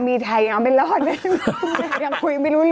ฝึกเอาก็ได้คุณแม่